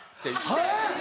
えっ！